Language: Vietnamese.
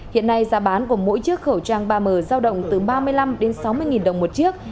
hiện nay giá bán của mỗi chiếc khẩu trang ba m giao động từ ba mươi năm sáu mươi đồng một chiếc